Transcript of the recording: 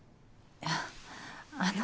いやあの。